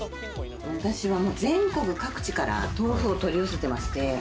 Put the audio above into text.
私は全国各地から豆腐を取り寄せてまして。